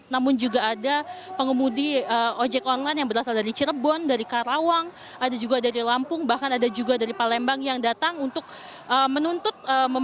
namun juga ada pengemudi ojek online yang berasal dari cirebon dari karawang ada juga dari lampung bahkan ada juga dari palembang yang datang untuk menuntut